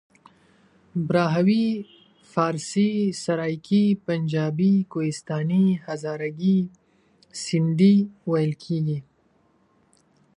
پښتو، بلوچي، براهوي، فارسي، سرایکي، پنجابي، کوهستاني، هزارګي، سندهي..ویل کېژي.